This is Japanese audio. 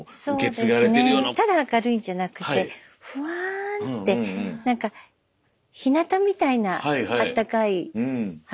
ただ明るいんじゃなくてフワーンって何かひなたみたいなあったかい母なんです。